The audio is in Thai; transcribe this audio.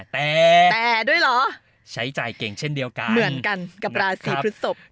แต่ใช้จ่ายเก่งเช่นเดียวกันเหมือนกันกับราศีพฤศพ